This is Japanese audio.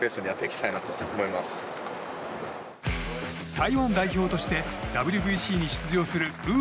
台湾代表としてＷＢＣに出場するウー